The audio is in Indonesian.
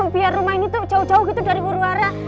biar rumah ini jauh jauh dari wuruwara